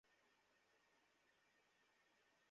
দেখে মনে হল না তুমি ওর থেকে দূরে যেতে খুব উদ্বিগ্ন।